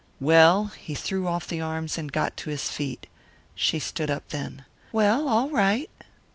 "Well," he threw off the arms and got to his feet. She stood up then. "Well, all right!"